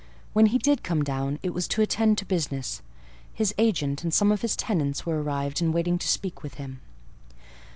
When he did come down, it was to attend to business: his agent and some of his tenants were arrived, and waiting to speak with him.